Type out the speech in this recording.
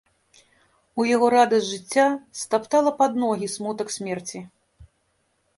У яго радасць жыцця стаптала пад ногі смутак смерці.